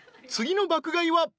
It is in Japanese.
次の爆買いは］